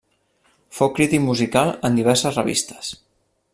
Fou crític musical en diverses revistes.